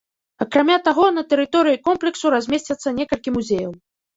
Акрамя таго, на тэрыторыі комплексу размесцяцца некалькі музеяў.